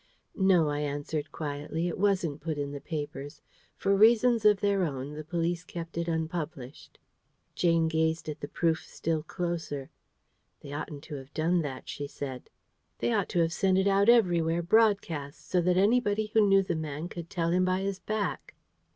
"No," I answered quietly, "it wasn't put in the papers. For reasons of their own, the police kept it unpublished." Jane gazed at the proof still closer. "They oughtn't to have done that," she said. "They ought to have sent it out everywhere broadcast so that anybody who knew the man could tell him by his back."